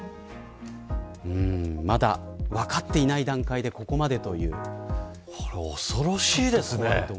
まだ、分かっていない段階でこれ恐ろしいですね。